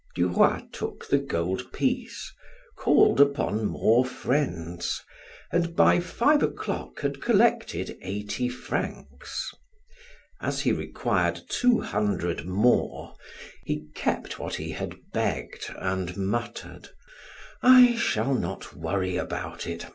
Duroy took the gold piece, called upon more friends, and by five o'clock had collected eighty francs. As he required two hundred more, he kept what he had begged and muttered: "I shall not worry about it.